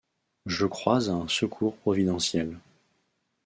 Je crois à un secours providentiel.